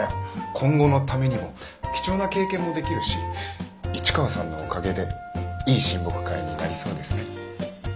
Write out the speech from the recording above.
今後のためにも貴重な経験もできるし市川さんのおかげでいい親睦会になりそうですね。